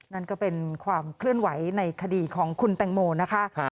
นั่นก็เป็นความเคลื่อนไหวในคดีของคุณแตงโมนะคะ